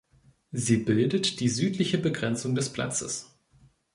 Sie bildet die südliche Begrenzung des Platzes.